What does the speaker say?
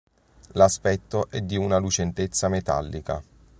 L'aspetto è di una lucentezza metallica.